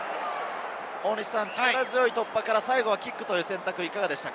力強い突破から最後はキックという選択でした。